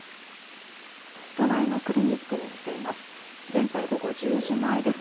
都内のクリニックに来ています。